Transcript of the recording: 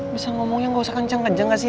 bisa ngomongnya gak usah kenceng kenceng gak sih